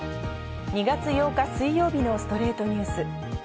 ２月８日、水曜日の『ストレイトニュース』。